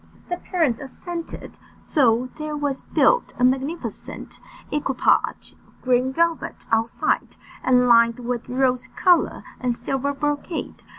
The parents assented. So there was built a magnificent equipage of green velvet outside, and lined with rose colour and silver brocade.